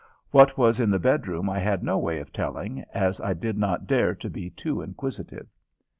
What was in the bedroom I had no way of telling, as I did not dare to be too inquisitive.